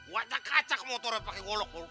wajah kacak motor pakai golok golok